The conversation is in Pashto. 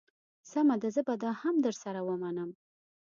سمه ده زه به دا هم در سره ومنم.